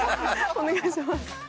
お願いします。